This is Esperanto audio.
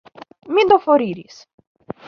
Mi do foriris.